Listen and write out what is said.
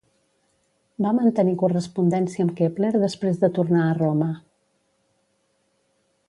Va mantenir correspondència amb Kepler després de tornar a Roma.